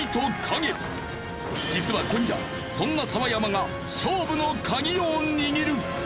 実は今夜そんな澤山が勝負のカギを握る！